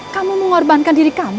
kamu mengorbankan diri kamu